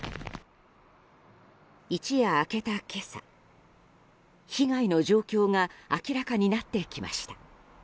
一夜明けた今朝、被害の状況が明らかになってきました。